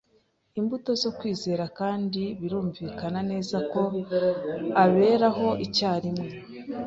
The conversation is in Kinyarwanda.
imbuto zo kwizera kandi birumvikana neza ko aberaho icyarimwe.